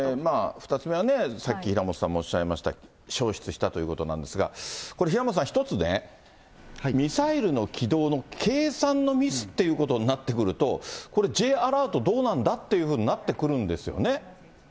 ２つ目はさっき平本さんもおっしゃいました、消失したということなんですが、これ、平本さん、一つね、ミサイルの軌道の計算のミスっていうことになってくると、これ、Ｊアラートどうなんだっていうことになってくるんですよね。